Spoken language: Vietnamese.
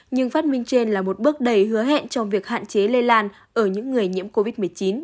nhưng phát minh trên là một bước đầy hứa hẹn trong việc hạn chế lây lan ở những người nhiễm covid một mươi chín